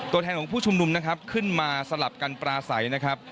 แทนของผู้ชุมนุมนะครับขึ้นมาสลับกันปลาใสนะครับ